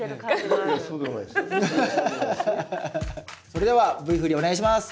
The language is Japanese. それではＶ振りお願いします！